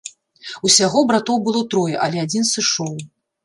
Усяго братоў было трое, але адзін сышоў.